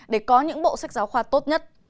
để có những bộ sách giáo khoa tốt nhất